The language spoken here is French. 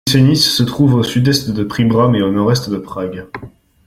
Klučenice se trouve à au sud-est de Příbram et à au nord-est de Prague.